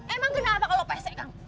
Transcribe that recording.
emang kenapa kalau paste kang